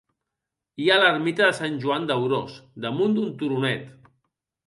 Hi ha l'ermita de Sant Joan d'Aurós, damunt d'un turonet.